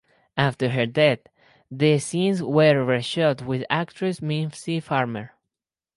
After her death, the scenes were reshot with actress Mimsy Farmer.